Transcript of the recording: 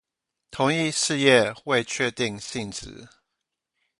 同一事業未確定性質